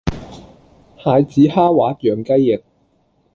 蟹籽蝦滑釀雞翼